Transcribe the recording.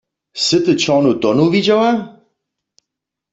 Sy ty čornu tonu widźała?